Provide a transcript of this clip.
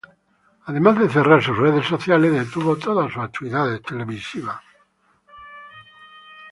Además de cerrar sus redes sociales, detuvo todas sus actividades televisivas.